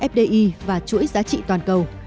fdi và chuỗi giá trị toàn cầu